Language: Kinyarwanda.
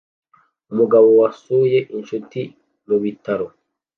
Umugabo wasuye inshuti mubitaro